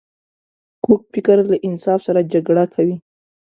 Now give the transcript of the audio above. کوږ فکر له انصاف سره جګړه کوي